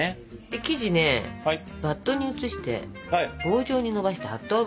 で生地ねバットに移して棒状にのばして８等分。